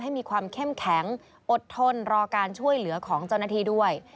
มีความเข้มแข็งอดทนรอการช่วยเหลือของเจ้าหน้าที่ด้วย